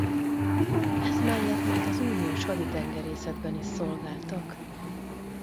Ez mellett még az uniós haditengerészetben is szolgáltak.